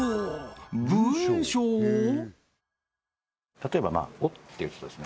例えば「お」って打つとですね